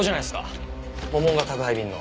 モモンガ宅配便の。